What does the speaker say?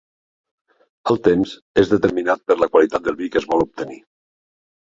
El temps és determinat per la qualitat del vi que es vol obtenir.